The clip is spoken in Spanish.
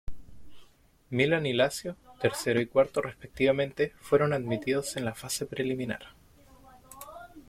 Milan y Lazio, tercero y cuarto respectivamente, fueron admitidos en la fase preliminar.